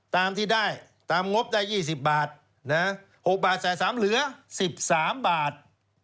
ตามที่ได้ตามงบได้๒๐บาท๖บาทแสนสามเหลือ๑๓บาท